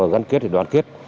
gắn kết để đoán kết